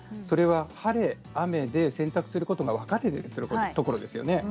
晴れと雨で洗濯することが分けているところですね。